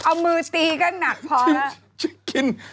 เอามือตีก็หนักพอแล้วกิน